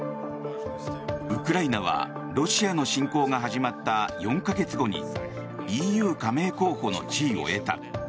ウクライナはロシアの侵攻が始まった４か月後にＥＵ加盟候補の地位を得た。